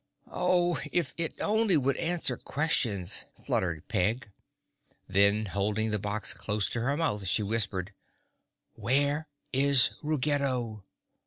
"Oh, if it only would answer questions!" fluttered Peg. Then, holding the box close to her mouth, she whispered, "Where is Ruggedo?"